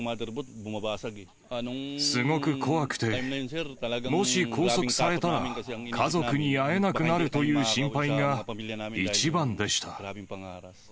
すごく怖くて、もし拘束されたら、家族に会えなくなるという心配が一番でした。